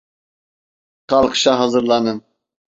Kalkışa hazırlanın.